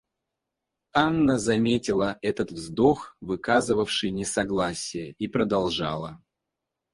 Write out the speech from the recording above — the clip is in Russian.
Анна заметила этот вздох, выказывавший несогласие, и продолжала.